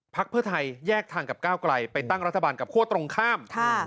เพื่อไทยแยกทางกับก้าวไกลไปตั้งรัฐบาลกับคั่วตรงข้าม